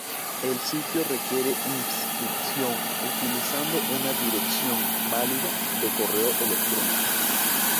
El sitio requiere inscripción utilizando una dirección válida de correo electrónico.